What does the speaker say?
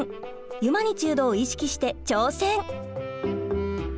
ユマニチュードを意識して挑戦！